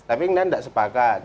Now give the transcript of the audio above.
tapi enggak sepakat